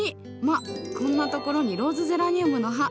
まあこんなところにローズゼラニウムの葉。